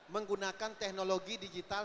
menggunakan teknologi digital